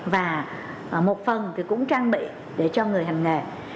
và một phần thì cũng trang bị để cho người hành nghề